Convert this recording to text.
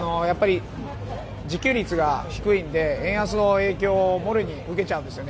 自給率が低いので円安の影響をもろに受けちゃうんですね。